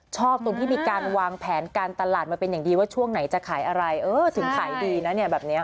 ตรงที่มีการวางแผนการตลาดมาเป็นอย่างดีว่าช่วงไหนจะขายอะไรเออถึงขายดีนะเนี่ยแบบนี้